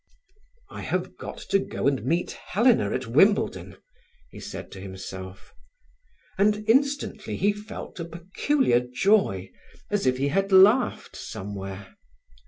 "I have got to go and meet Helena at Wimbledon," he said to himself, and instantly he felt a peculiar joy, as if he had laughed somewhere.